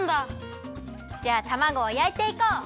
じゃあたまごをやいていこう！